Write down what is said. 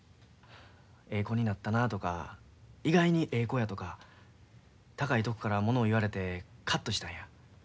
ええ子になったなとか意外にええ子やとか高いとこから物を言われてカッとしたんや。